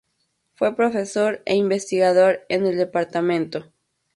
Fue profesor e investigador en el Dto.